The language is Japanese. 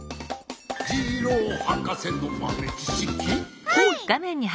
「ジローはかせのまめちしき」ホイ！